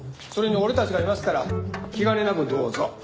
それに俺たちがいますから気兼ねなくどうぞ。